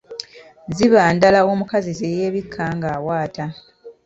Ziba ndala omukazi ze yeebikka ng'awaata.